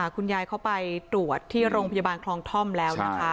คุณยายเขาไปตรวจที่โรงพยาบาลคลองท่อมแล้วนะคะ